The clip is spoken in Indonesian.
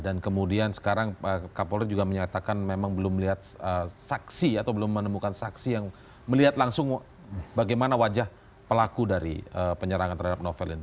dan kemudian sekarang kapolri juga menyatakan memang belum melihat saksi atau belum menemukan saksi yang melihat langsung bagaimana wajah pelaku dari penyerangan terhadap novel